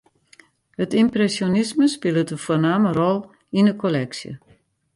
It ympresjonisme spilet in foarname rol yn 'e kolleksje.